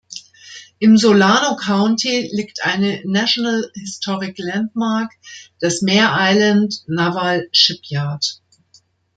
Im Solano County liegt eine National Historic Landmark, das Mare Island Naval Shipyard.